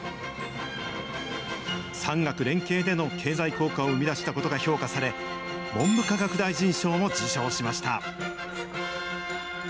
産学連携での経済効果を生み出したことが評価され、文部科学大臣賞も受賞しました。